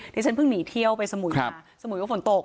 ที่ฉันเพิ่งหนีเที่ยวไปสมุยมาสมุยก็ฝนตก